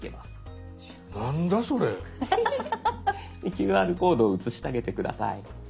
ＱＲコードを写してあげて下さい。